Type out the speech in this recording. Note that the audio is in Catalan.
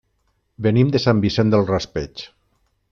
Venim de Sant Vicent del Raspeig.